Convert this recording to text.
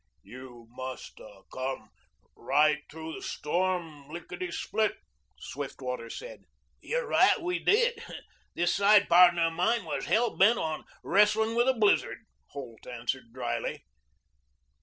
"You must 'a' come right through the storm lickitty split," Swiftwater said. "You're right we did. This side pardner of mine was hell bent on wrestling with a blizzard," Holt answered dryly.